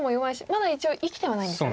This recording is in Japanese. まだ一応生きてはないんですよね。